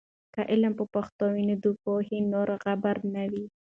که علم په پښتو وي، نو د پوهې نوره غبار نه وي.